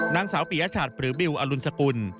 นางสาวปีอาชาติปริบิวอลุณสกุล